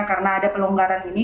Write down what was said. karena ada pelonggaran ini